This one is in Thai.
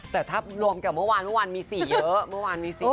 แต่ถ้ารวมกับเมื่อวานมี๔เยอะ